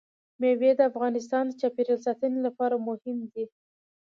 مېوې د افغانستان د چاپیریال ساتنې لپاره مهم دي.